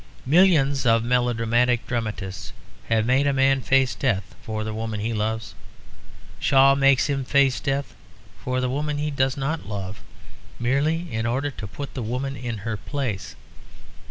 Millions of melodramatic dramatists have made a man face death for the woman he loves; Shaw makes him face death for the woman he does not love merely in order to put woman in her place.